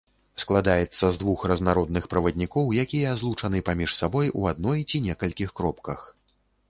Складаецца з двух разнародных праваднікоў, якія злучаны паміж сабой у адной ці некалькіх кропках.